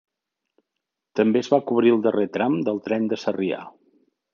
També es va cobrir el darrer tram del tren de Sarrià.